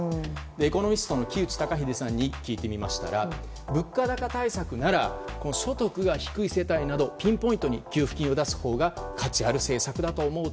エコノミストの木内登英さんに聞いてみましたら物価高対策なら所得が低い世帯などピンポイントに給付金を出すほうが価値ある政策だと思う。